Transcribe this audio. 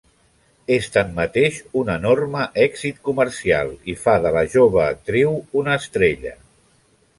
És tanmateix un enorme èxit comercial i fa de la jove actriu una estrella.